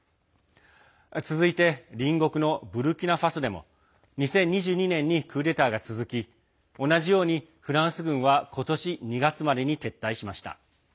続いて隣国のブルキナファソでも２０２２年にクーデターが続き同じようにフランス軍は今年２月までに撤退しました。